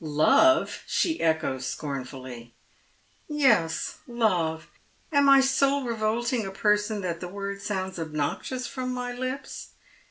" Love !" she echoes scornfully. " Yes, love ; am I so revolting a person that the word sounds obnoxious from my lips?